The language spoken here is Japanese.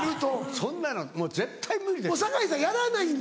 そんなのもう絶対無理です。